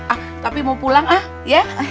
ah tapi mau pulang ah ya